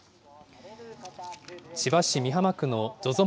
千葉市美浜区のＺＯＺＯ